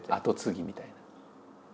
跡継ぎみたいな。